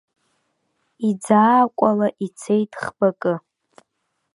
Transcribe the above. Иӡаакәала ицеит ӷбакы.